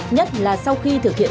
nhất là sau khi thực hiện